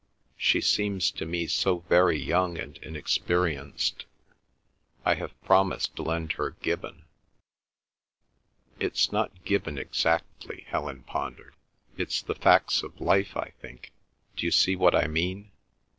She seems to me so very young and inexperienced. I have promised to lend her Gibbon." "It's not Gibbon exactly," Helen pondered. "It's the facts of life, I think—d'you see what I mean?